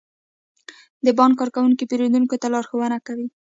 د بانک کارکونکي پیرودونکو ته لارښوونه کوي.